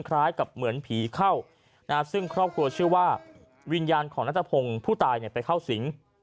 คล้ายกับเหมือนผีเข้าซึ่งครอบครัวเชื่อว่าวิญญาณของนัทพงศ์ผู้ตายไปเข้าสิง